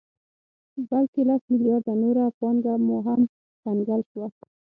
بلکې لس مليارده نوره پانګه مو هم کنګل شوه